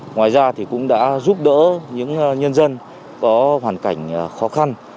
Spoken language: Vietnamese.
ngoài ra thì cũng đã giúp đỡ những nhân dân có hoàn cảnh khó khăn